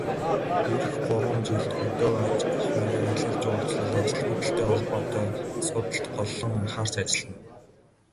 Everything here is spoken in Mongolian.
Ирэх гурван жилд хөдөө аж ахуй, аялал жуулчлал, ажилгүйдэлтэй холбоотой асуудалд голлон анхаарч ажиллана.